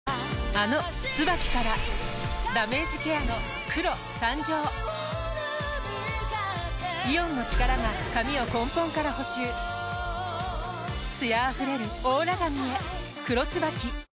あの「ＴＳＵＢＡＫＩ」からダメージケアの黒誕生イオンの力が髪を根本から補修艶あふれるオーラ髪へ「黒ＴＳＵＢＡＫＩ」